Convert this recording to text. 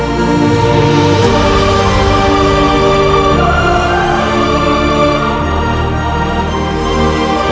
kau masih putraku